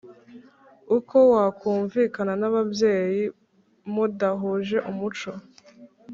Uko wakumvikana n ababyeyi mudahuje umuco